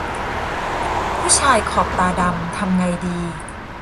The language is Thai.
ผู้ชายขอบตาดำทำไงดี